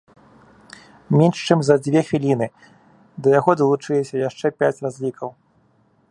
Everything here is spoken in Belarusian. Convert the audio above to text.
Менш чым за дзве хвіліны да яго далучыліся яшчэ пяць разлікаў.